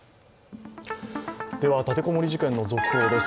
立て籠もり事件の続報です。